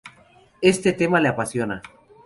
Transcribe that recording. Este tema le apasiona.